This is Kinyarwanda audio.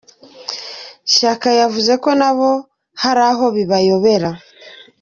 Shyaka yavuze ko nabo hari aho bibayobera.